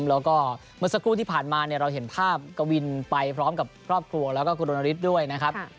แล้วก็เมื่อสักครู่ที่ผ่านมาเราเห็นภาพกวินไปพร้อมกับครอบครัวแล้วก็คุณรณฤทธิ์ด้วยนะครับ